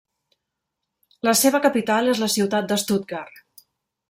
La seva capital és la ciutat de Stuttgart.